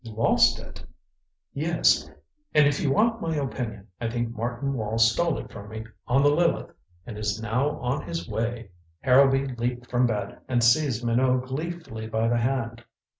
"Lost it?" "Yes. And if you want my opinion, I think Martin Wall stole it from me on the Lileth and is now on his way " Harrowby leaped from bed, and seized Minot gleefully by the hand.